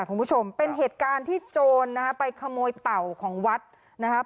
คุณผู้ชมเป็นเหตุการณ์ที่โจรนะฮะไปขโมยเต่าของวัดนะครับ